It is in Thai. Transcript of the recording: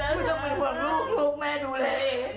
ไม่ต้องเป็นฝันลูกลูกแม่ดูแล